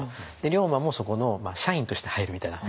龍馬もそこの社員として入るみたいな。